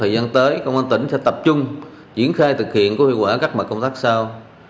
gần tới công an tỉnh sẽ tập trung diễn khai thực hiện có hiệu quả các mặt công tác sau